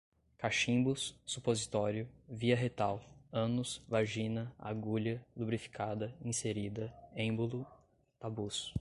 cachimbos, supositório, via retal, ânus, vagina, agulha, lubrificada, inserida, êmbolo, tabus